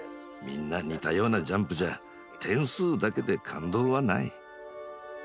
みんな似たようなジャンプじゃあ点数だけで感動はない。